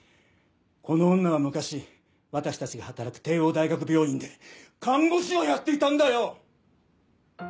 この女は昔私たちが働く帝王大学病院で看護師をやっていたんだよ！